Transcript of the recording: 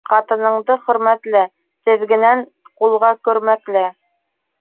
Ҡатыныңды хөрмәтлә, теҙгенен ҡулға көрмәклә.